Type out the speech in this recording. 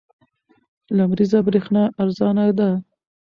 لمریزه برېښنا ارزانه ده.